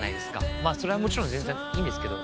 まぁそれはもちろん全然いいんですけど。